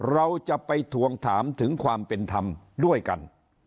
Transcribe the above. เราจะไปทวงถามถึงความเป็นธรรมด้วยกัน